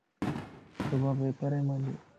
صبح پيپرائي مانجو